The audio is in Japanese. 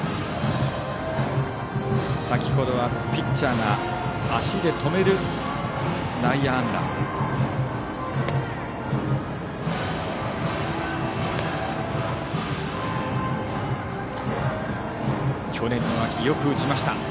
先ほどはピッチャーが足で止める内野安打でした。